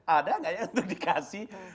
ada nggak ya untuk dikasih